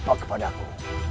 kamu lupa kepada aku